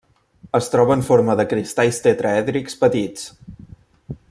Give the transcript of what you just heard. Es troba en forma de cristalls tetraèdrics petits.